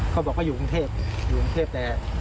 เค้าบอกเค้าอยู่กรุงเทพ